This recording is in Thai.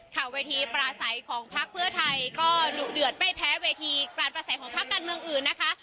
ค่ะเวทีปราศัยของพักเพื่อไทยก็ดุเดือดไม่แพ้เวทีการประสัยของพักการเมืองอื่นนะคะ